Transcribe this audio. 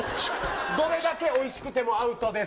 どれだけおいしくてもアウトです。